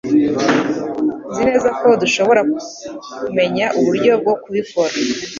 Nzi neza ko dushobora kumenya uburyo bwo kubikora.